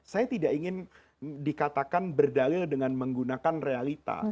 saya tidak ingin dikatakan berdalil dengan menggunakan realita